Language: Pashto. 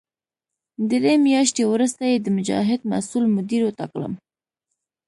درې میاشتې وروسته یې د مجاهد مسوول مدیر وټاکلم.